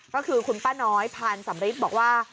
ก็คือคุณป้าน้อยพานสำริทบอกว่า